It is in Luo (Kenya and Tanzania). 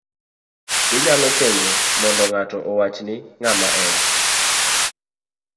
Inyalo penjo mondo ngato owachni ng'ama en;